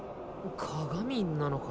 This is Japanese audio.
鏡なのか？